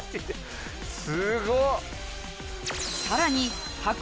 すごっ！